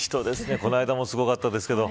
この間もすごかったですが。